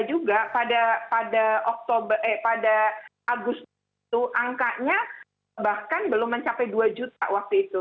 guru dari lima juta juga pada agustus itu angkanya bahkan belum mencapai dua juta waktu itu